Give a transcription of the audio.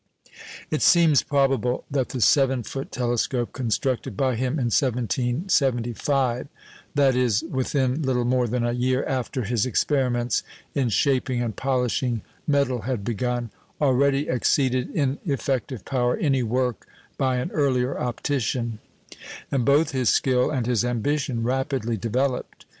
It seems probable that the seven foot telescope constructed by him in 1775 that is within little more than a year after his experiments in shaping and polishing metal had begun already exceeded in effective power any work by an earlier optician; and both his skill and his ambition rapidly developed.